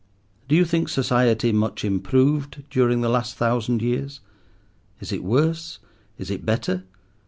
Do you think Society much improved during the last thousand years? Is it worse? is it better?